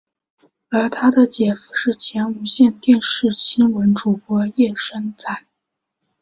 而他的姐夫是前无线电视新闻主播叶升瓒。